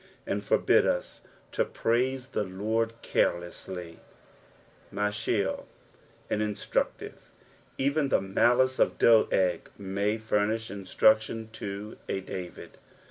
and forbid ua to praise the Lord car^essty. llMCbil. An Instrvc tloe. Even A« malice </ a Doeg may furnish inatrvdion to a David.